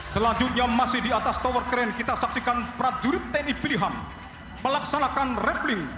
selanjutnya masih diatas tower keren kita saksikan prajurit tni pilihan melaksanakan